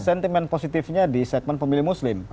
sentimen positifnya di segmen pemilih muslim